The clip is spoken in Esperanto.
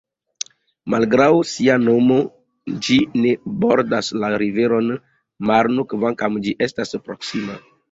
Malgraŭ sia nomo, ĝi ne bordas la riveron Marno, kvankam ĝi estas proksima.